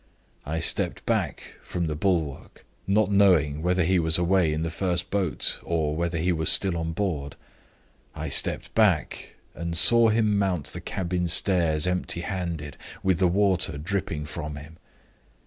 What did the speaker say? I stepped back from the bulwark, not knowing whether he was away in the first boat, or whether he was still on board I stepped back, and saw him mount the cabin stairs empty handed, with the water dripping from him.